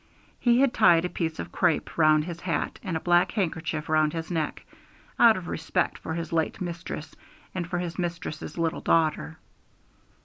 He had tied a piece of crape round his hat and a black handkerchief round his neck, out of respect for his late mistress and for his mistress's little daughter.